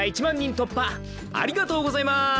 突破ありがとうございます！